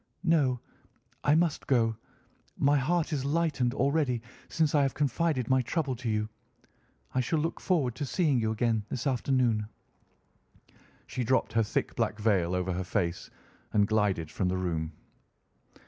"No, I must go. My heart is lightened already since I have confided my trouble to you. I shall look forward to seeing you again this afternoon." She dropped her thick black veil over her face and glided from the room.